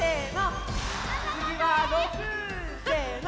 つぎは６！せの！